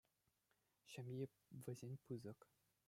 Ҫемйи вӗсен пысӑк.